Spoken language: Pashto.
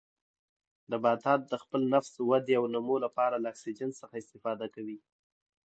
نباتات د خپل تنفس، ودې او نمو لپاره له اکسیجن څخه استفاده کوي.